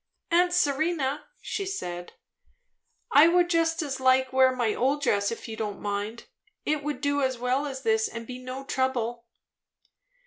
"Aunt Serena," she said, "I would just as lief wear my old dress, if you don't mind. It would do as well as this, and be no trouble."